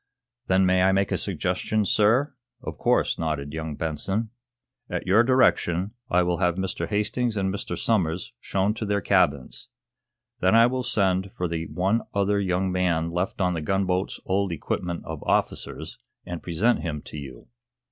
"Then may I make a suggestion, sir?" "Of course," nodded young Benson. "At your direction I will have Mr. Hastings and Mr. Somers shown to their cabins. Then I will send for the one other young man left of the gunboat's old equipment of officers, and present him to you.